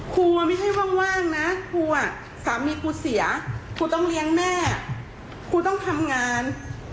คุณต้องเลี้ยงแม่คุณต้องทำงาน